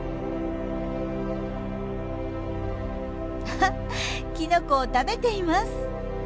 あっキノコを食べています。